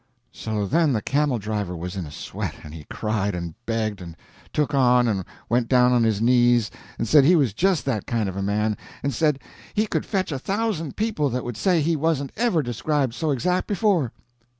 [Illustration: "The camel driver in the treasure cave"] So then the camel driver was in a sweat; and he cried, and begged, and took on, and went down on his knees, and said he was just that kind of a man, and said he could fetch a thousand people that would say he wasn't ever described so exact before.